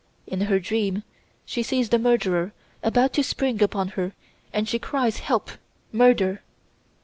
In her dream she sees the murderer about to spring upon her and she cries, 'Help! Murder!